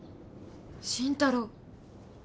慎太郎。